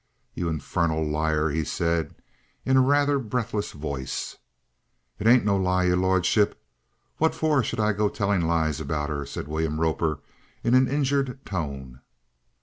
"You infernal liar!" he said in a rather breathless voice. "It ain't no lie, your lordship. What for should I go telling lies about 'er?" said William Roper in an injured tone.